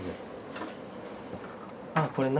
あっこれな。